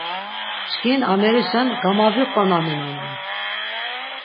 Çkin amerişen gamaviqonaminonan!